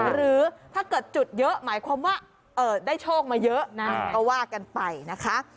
หรือถ้าเกิดจุดเยอะหมายความว่าได้โชคมาเยอะนะก็ว่ากันไปนะคะ